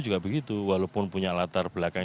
juga begitu walaupun punya latar belakang